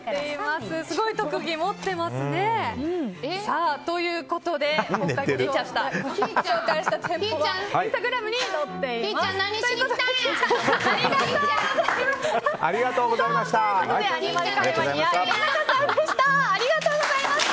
すごい特技持ってますね。ということで、紹介した店舗はインスタグラムに載っています。